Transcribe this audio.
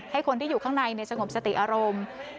ให้คนที่อยู่ข้างในสงบสติอารมณ์